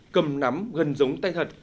cầm nắm gần giống tay thật